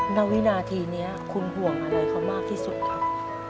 ณวินาทีนี้คุณห่วงอะไรเขามากที่สุดครับ